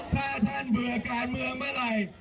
ถ้าท่านเบื่อการเมืองเมื่อไหร่